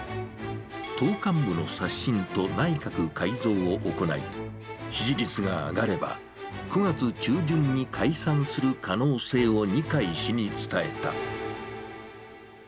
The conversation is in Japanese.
党幹部の刷新と内閣改造を行い、支持率が上がれば、９月中旬に解散する可能性を二階氏に伝えた。